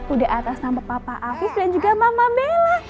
kuda atas nama papa afif dan juga mama bella